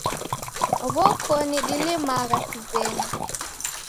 W'okoni dalimagha kizenya